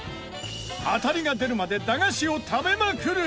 当たりが出るまで駄菓子を食べまくる！